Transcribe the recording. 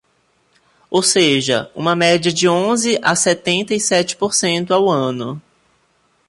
Ou seja, uma média de onze a setenta e sete por cento ao ano.